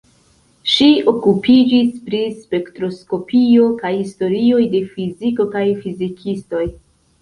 Ŝi okupiĝis pri spektroskopio kaj historioj de fiziko kaj fizikistoj.